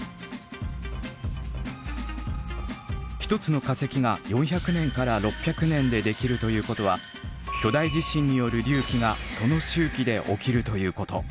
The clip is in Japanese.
一つの化石が４００年から６００年でできるということは巨大地震による隆起がその周期で起きるということ。